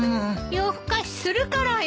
夜更かしするからよ。